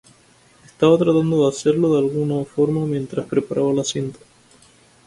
Estaba tratando de hacerlo de alguna forma mientras preparaba la cinta.